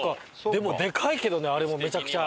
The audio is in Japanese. でもでかいけどねあれもめちゃくちゃ。